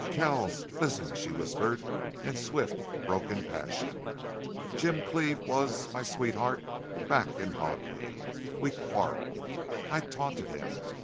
"Kells listen," she whispered in swift, broken passion. "Jim Cleve was my sweetheart back in Hoadley. We quarreled. I taunted him.